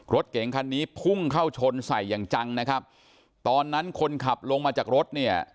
รถเก๋งคันนี้พุ่งเข้าชนใส่อย่างจังนะครับตอนนั้นคนขับลงมาจากรถเนี่ย